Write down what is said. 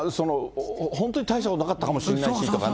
本当に大したことなかったかもしれないしとかね。